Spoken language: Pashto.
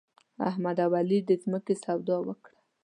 احمد او علي د ځمکې سودا وکړه.